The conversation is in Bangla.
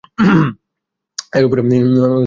এর উপরে কিছু লেখা আছে।